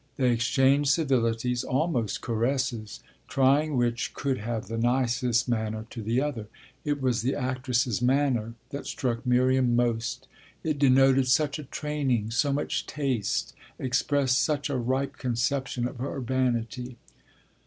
They exchanged civilities, almost caresses, trying which could have the nicest manner to the other. It was the actress's manner that struck Miriam most; it denoted such a training, so much taste, expressed such a ripe conception of urbanity.